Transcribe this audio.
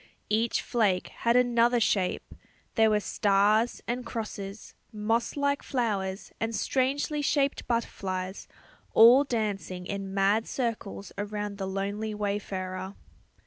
Each flake had another shape; there were stars and crosses, moss like flowers and strangely shaped butterflies, all dancing in mad circles around the lonely wayfarer.